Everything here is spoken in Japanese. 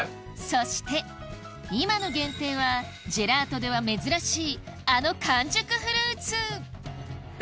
そして今の限定はジェラートでは珍しいあの完熟フルーツ！